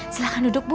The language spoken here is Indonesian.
silahkan duduk bu